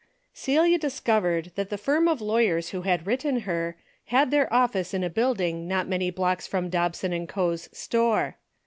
Celia discovered that the firm of lawyers who had written her, had their office in a building not many blocks from Dobson and Co.'s store.